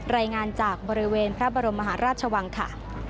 รายงานจากบริเวณพระบรมมหาราชวังค่ะ